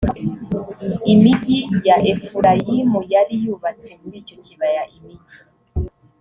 imigii ya efurayimu yari yubatse muri icyo kibaya imigi